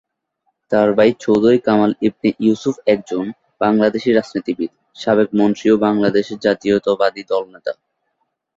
তার ভাই চৌধুরী কামাল ইবনে ইউসুফ একজন বাংলাদেশী রাজনীতিবিদ, সাবেক মন্ত্রী ও বাংলাদেশ জাতীয়তাবাদী দল নেতা।